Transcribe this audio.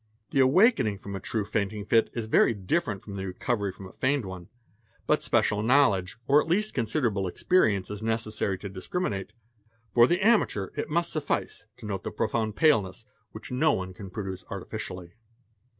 : The awakening from a true fainting fit is very different. from the recovery from a feigned one. But special knowledge or at least consider — able experience is necessary to discriminate. For the amateur it must suffice to note the profound paleness which no one can produce artificially.